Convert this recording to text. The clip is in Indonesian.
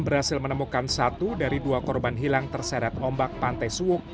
berhasil menemukan satu dari dua korban hilang terseret ombak pantai suwuk